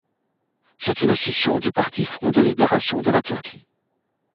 C’est une scission du Parti-Front de libération de la Turquie.